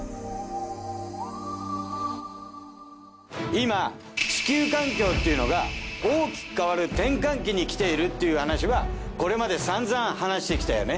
今地球環境っていうのが大きく変わる転換期に来ているっていう話はこれまでさんざん話してきたよね。